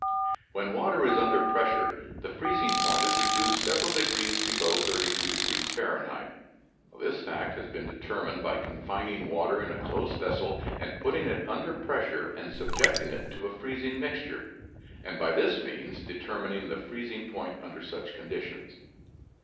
When water is under pressure the freezing point is reduced several degrees below 32 degrees Fahrenheit. This fact has been determined by confining water in a close vessel and putting it under pressure and subjecting it to a freezing mixture, and by this means determining the freezing point under such conditions.